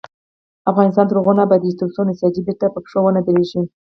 افغانستان تر هغو نه ابادیږي، ترڅو نساجي بیرته په پښو ونه دریږي.